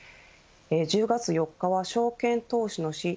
１０月４日は証券投資の日。